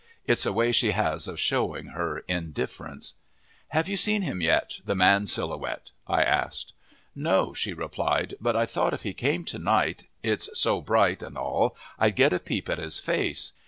It's a way she has of showing her indifference. "Have you seen him yet the Man Silhouette?" I asked. "No," she replied; "but I thought, if he came to night, it's so bright and all, I'd get a peep at his face.